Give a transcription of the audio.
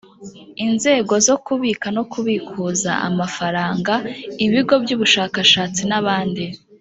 inzego zo kubika no kubikuza amafaranga, ibigo by'ubushakashatsi, n'abandi